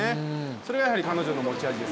それがやはり彼女の持ち味です。